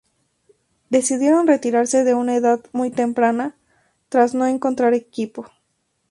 Decidiendo retirarse en una edad muy temprana, tras no encontrar equipo.